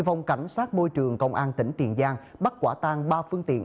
phòng cảnh sát môi trường công an tỉnh tiền giang bắt quả tang ba phương tiện